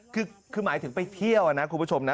คือหมายถึงไปเที่ยวนะคุณผู้ชมนะ